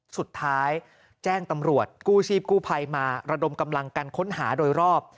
แจ้งตำรวจกู้ชีพกู้ภัยมาระดมกำลังกันค้นหาโดยรอบ